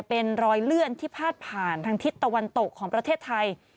เป็นรอยเลื่อนที่พาดผ่านทางทิศตะวันตกของประเทศไทย